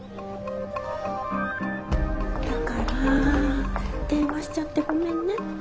だから電話しちゃってごめんねって。